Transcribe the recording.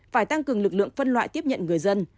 phải tăng cường lực lượng phân loại tiếp nhận người dân